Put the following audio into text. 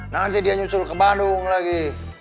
nanti dia nyusul ke bandung lagi